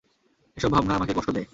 এসব ভাবনা আমাকে কষ্ট দেয়।